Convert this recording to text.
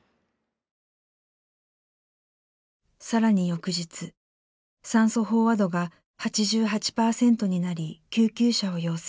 更に翌日酸素飽和度が８８％になり救急車を要請。